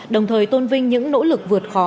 đồng thời tôn vinh những nỗ lực vượt khó